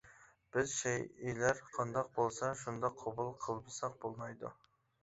بىز شەيئىلەر قانداق بولسا، شۇنداق قوبۇل قىلمىساق بولمايدۇ.